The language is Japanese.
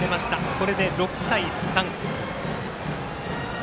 これで６対３。